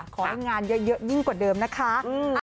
ขอให้งานเยอะยิ่งกว่าเดิมนะคะ